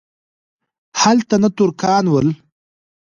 هلته نه ترکان ول.